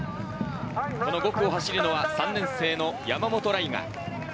５区を走るのは３年生の山本雷我。